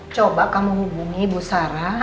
coba kamu hubungi ibu sarah